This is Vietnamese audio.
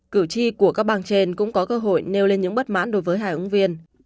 cử tri của các bang trên cũng có cơ hội nêu lên những bất mãn đối với hai ứng viên